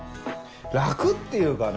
楽っていうかね